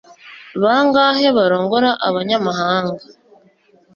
Bangahe barongora abanyamahanga